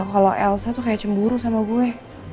kalau elsa tuh kayak cemburu sama gue